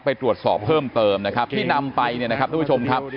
ไปตรวจสอบเพิ่มเติมนะครับที่นำไปเนี่ยนะครับทุกผู้ชมครับ